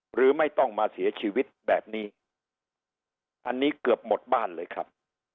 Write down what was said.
หรือไม่ต้องมาเสียชีวิตแบบนี้อันนี้เกือบหมดบ้านเลยครับ